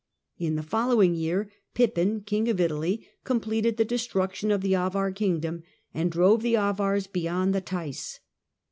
In the following year Pippin, king of Italy, completed the destruction of the Avar kingdom and drove the Avars beyond the Theiss.